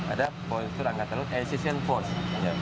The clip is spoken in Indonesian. ada postur angkatan laut assission force